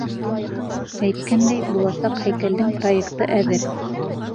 Әйткәндәй, буласаҡ һәйкәлдең проекты әҙер.